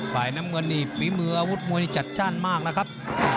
ฝ่ายน้ำเงินพรีมืออาวุธมวยจัดแสดงมากนะครับ